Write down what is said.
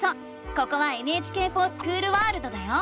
ここは「ＮＨＫｆｏｒＳｃｈｏｏｌワールド」だよ！